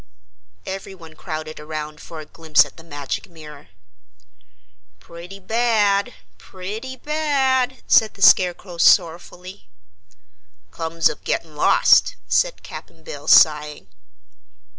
Everyone crowded around for a glimpse at the magic mirror. "Pretty bad pretty bad!" said the Scarecrow sorrowfully. "Comes of getting lost!" said Cap'n Bill, sighing.